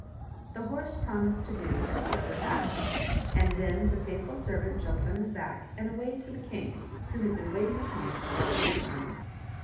The horse promised to do as the other bade, and then the faithful servant jumped on his back and away to the king, who had been waiting at home for all this time.